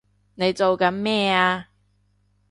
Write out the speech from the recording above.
你做緊咩啊！